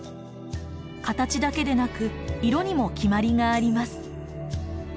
形だけでなく色にも決まりがあります。